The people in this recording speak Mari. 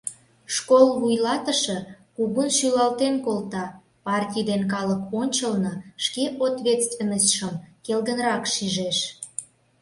Школ вуйлатыше кугун шӱлалтен колта, партий ден калык ончылно шке ответственностьшым келгынрак шижеш.